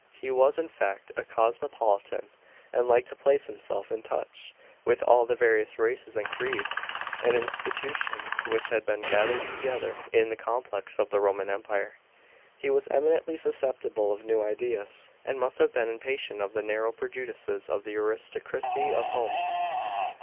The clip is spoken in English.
He was, in fact, a cosmopolitan, and liked to place himself in touch with all the various races and creeds and institutions which had been gathered together in the complex of the Roman Empire. He was eminently susceptible of new ideas, and must have been impatient of the narrow prejudices of the aristocracy of Home.